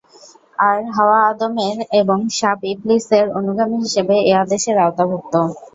আর হাওয়া আদমের এবং সাপ ইবলীসের অনুগামী হিসাবে এ আদেশের আওতাভুক্ত।